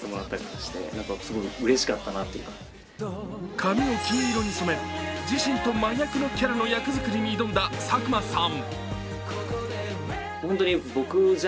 髪を金色に染め、自身と真逆のキャラの役作りに挑んだ佐久間さん。